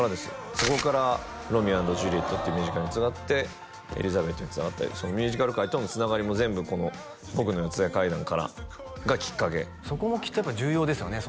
そこから「ロミオ＆ジュリエット」っていうミュージカルにつながって「エリザベート」につながったりミュージカル界とのつながりも全部この「ボクの四谷怪談」からがきっかけそこもきっとやっぱ重要ですよね